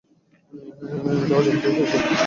এটা অজান্তেই হয়েছে?